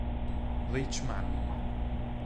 Rich Manning